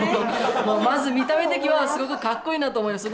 まず見た目的はすごく格好いいなと思います。